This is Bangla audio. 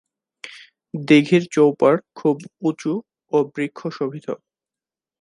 দিঘীর চৌপাড় খুব উঁচু ও বৃক্ষ শোভিত।